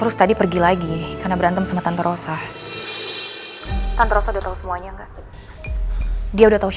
siap masuk dok